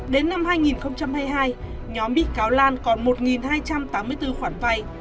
đến năm hai nghìn hai mươi hai nhóm bị cáo lan còn một hai trăm tám mươi bốn khoản vay